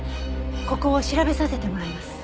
ここを調べさせてもらいます。